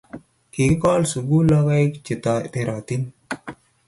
kikol sukul logoek che terotin.